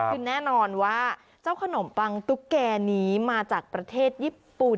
คือแน่นอนว่าเจ้าขนมปังตุ๊กแก่นี้มาจากประเทศญี่ปุ่น